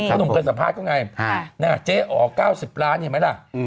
หนุ่มเคยสัมภาษณ์เขาไงเจ๊อ๋อ๙๐ล้านเห็นไหมล่ะ